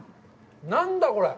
何だこれ。